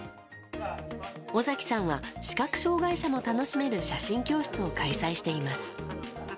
尾崎さんは視覚障害者も楽しめる写真教室を開催しています。